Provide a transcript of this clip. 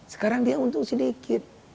sekarang dia untung sedikit